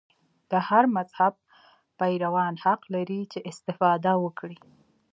د هر مذهب پیروان حق لري چې استفاده وکړي.